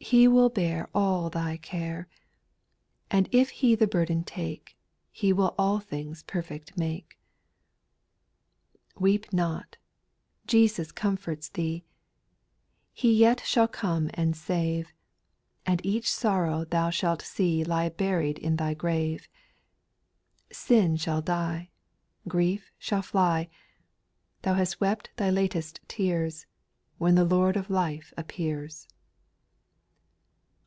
He will bear All thy care ; And if He the burden take, He will all things perfect make. ) 6. Weep not,— Jesus comforts thee ; He yet shall come and save, And each sorrow thou shalt see Lie buried in thy grave* Sin shall die. Grief shall fly ; Thou hast wept thy latest tears, When the Lord of life appears.